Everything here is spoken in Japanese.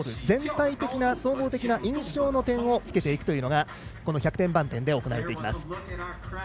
全体的な総合的な印象の点をつけていくというのが１００点満点で行われていきます。